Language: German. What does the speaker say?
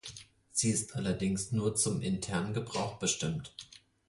Sie ist allerdings nur zum internen Gebrauch bestimmt.